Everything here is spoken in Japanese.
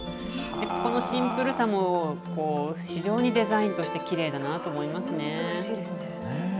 このシンプルさも、非常にデザインとしてきれいだなと思いますね。